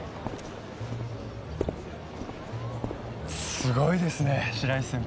すごいですね白石先輩。